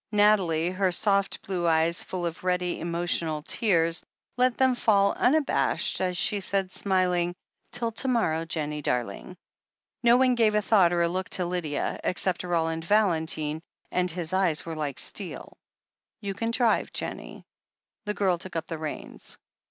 Nathalie, her soft blue eyes full of ready, emotional tears, let them fall unabashed, as she said, smiling: "Till to morrow, Jennie darling!" 466 THE HEEL OF ACHILLES No one gave a thought or a look to Lydia, except Roland Valentine, and his eyes were like steel. "You can drive, Jennie." The girl took up the reins.